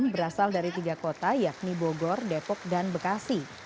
berasal dari tiga kota yakni bogor depok dan bekasi